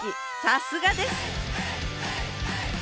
さすがです！